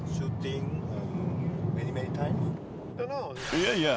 いやいや